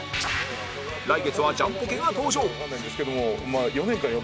来月はジャンポケが登場